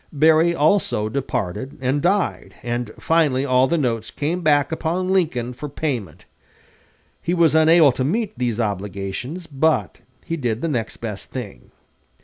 Berry also departed and died, and finally all the notes came back upon Lincoln for payment. He was unable to meet these obligations, but he did the next best thing.